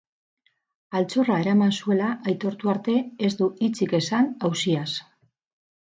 Altxorra eraman zuela aitortu arte, ez du hitzik esan auziaz.